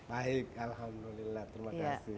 baik alhamdulillah terima kasih